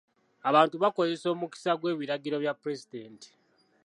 Abantu bakozesa omukisa gw'ebiragiro bya pulezidenti.